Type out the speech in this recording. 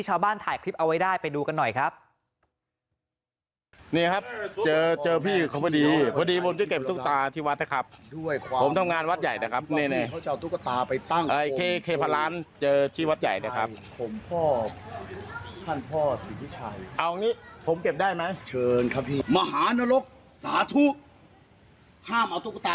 ชาวบ้านถ่ายคลิปเอาไว้ได้ไปดูกันหน่อยครับ